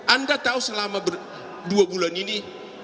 anda tahu selama dua bulan ini